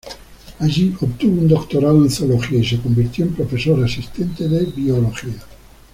Allí obtuvo un doctorado en zoología y se convirtió en profesor asistente de biología.